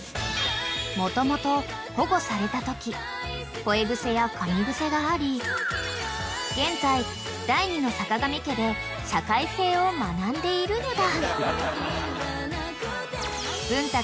［もともと保護されたとき吠え癖やかみ癖があり現在第２のさかがみ家で社会性を学んでいるのだ］